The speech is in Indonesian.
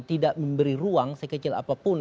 tidak memberi ruang sekecil apapun